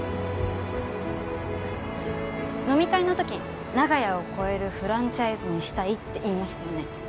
飲み会の時長屋を超えるフランチャイズにしたいって言いましたよね。